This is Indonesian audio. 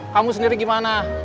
kamu sendiri gimana